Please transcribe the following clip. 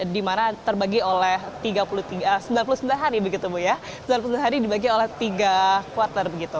dimana terbagi oleh sembilan puluh sembilan hari sembilan puluh sembilan hari dibagi oleh tiga kuartal